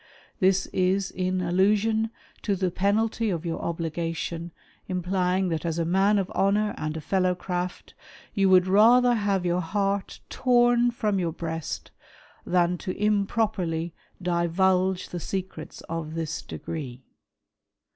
This is in allusion to the penalty of "your obligation, implying that as a man of honour, and a " Fellow Craft, you would rather have your heart torn from your " breast, than to improperly divulge the secrets of this degree.